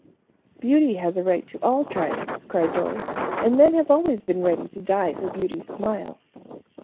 "Beauty has a right to all triumphs," cried Doris, "and men have always been ready to die for beauty's smile."